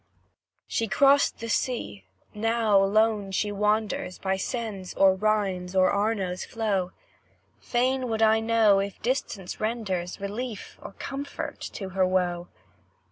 She crossed the sea now lone she wanders By Seine's, or Rhine's, or Arno's flow; Fain would I know if distance renders Relief or comfort to her woe.